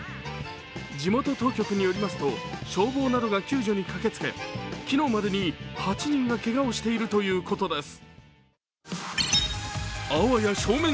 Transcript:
地元当局によりますと消防などが救助に駆けつけ、昨日までに８人がけがをしているということです。